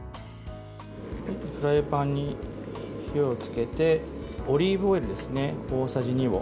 フライパンに火をつけてオリーブオイル大さじ２を。